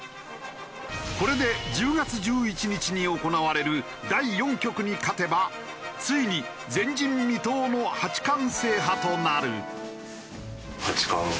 これで１０月１１日に行われる第４局に勝てばついに前人未到の八冠制覇となる。